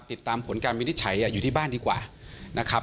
ติดตามผลการวินิจฉัยอยู่ที่บ้านดีกว่านะครับ